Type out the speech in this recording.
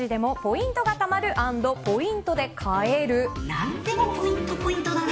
何でもポイントポイントだね。